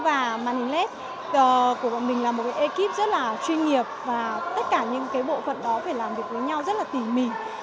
và màn hình led của bọn mình là một cái ekip rất là chuyên nghiệp và tất cả những cái bộ phận đó phải làm việc với nhau rất là tỉ mỉ